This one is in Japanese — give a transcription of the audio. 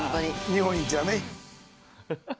日本一やね。